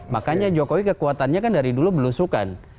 makanya jokowi kekuatannya kan dari dulu belusukan